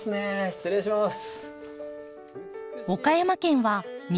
失礼します。